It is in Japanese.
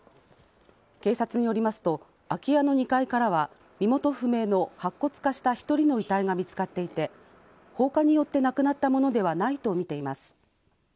警察によりますと、空き家の２階からは、身元不明の白骨化した１人の遺体が見つかっていて、放火によって亡くなったものではないと見ています。